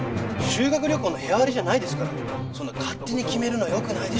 修学旅行の部屋割りじゃないですからそんな勝手に決めるのはよくないでしょ？